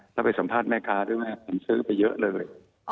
แล้วไปสัมภาษณ์แม่ค้าด้วยไหมผมซื้อไปเยอะเลย